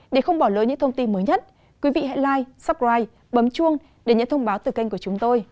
để không bỏ lỡ những thông tin mới nhất quý vị hãy live supprite bấm chuông để nhận thông báo từ kênh của chúng tôi